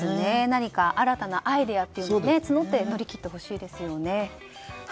何か新たなアイデアを募って乗り切ってほしいですね。